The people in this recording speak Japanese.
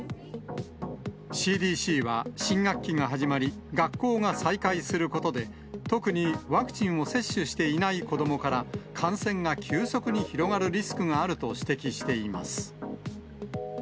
ＣＤＣは新学期が始まり、学校が再開することで、特にワクチンを接種していない子どもから、感染が急速に広がるリスクがあると指摘しています。